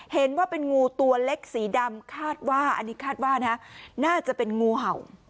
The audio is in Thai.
เห็นว่าเป็นงูตัวเล็กสีดำคาดว่าอันนี้คาดว่านะน่าจะเป็นงูเห่า